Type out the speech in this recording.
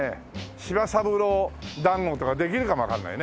柴三郎団子とかできるかもわからないね。